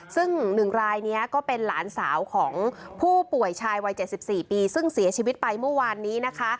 ซึ่ง๑รายนี้ก็เป็นหลานสาวของผู้ป่วยชายวัย๗๔ปีซึ่งเสียชีวิตไปเมื่อวานนี้นะคะ